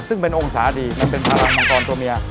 ซึ่งเป็นองศาดีมันเป็นพลังมังกรตัวเมีย